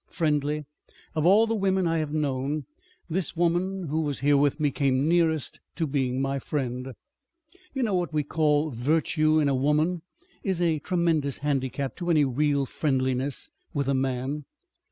Friendly. Of all the women I have known, this woman who was here with me came nearest to being my friend. You know, what we call virtue in a woman is a tremendous handicap to any real friendliness with a man.